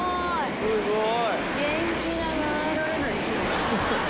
すごい。